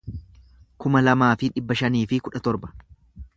kuma lamaa fi dhibba shanii fi kudha torba